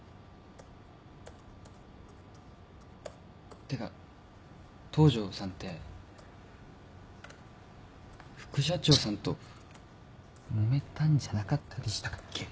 ってか東城さんって副社長さんともめたんじゃなかったでしたっけ？